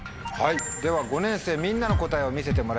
では５年生みんなの答えを見せてもらいましょう。